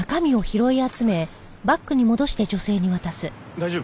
大丈夫？